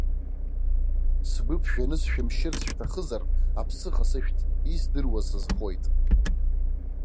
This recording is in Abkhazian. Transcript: Сгәы ԥжәаны сшәымшьырц шәҭахызар, аԥсыха сышәҭ, издыруа сызхоит.